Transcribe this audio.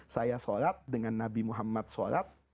saya sholat dengan nabi muhammad sholat